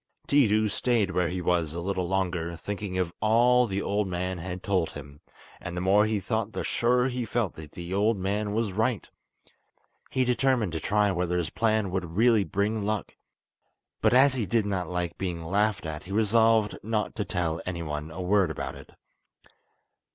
Tiidu stayed where he was a little longer, thinking of all the old man had told him, and the more he thought the surer he felt that the old man was right. He determined to try whether his plan would really bring luck; but as he did not like being laughed at he resolved not to tell anyone a word about it.